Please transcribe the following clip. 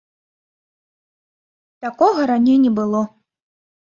Такога раней не было!